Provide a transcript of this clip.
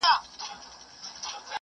نه مې بایللی دی څوک نه بلا وهلی یمه